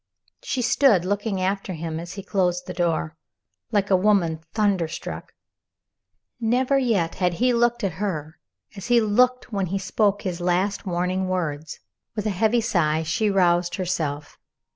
She stood, looking after him as he closed the door, like a woman thunderstruck. Never yet had he looked at her as he looked when he spoke his last warning words. With a heavy sigh she roused herself.